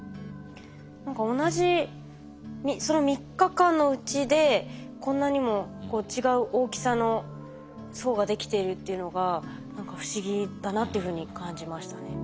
何か同じその３日間のうちでこんなにも違う大きさの層ができているっていうのが何か不思議だなっていうふうに感じましたね。